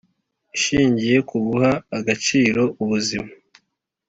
ishingiye ku guha agaciro ubuzima.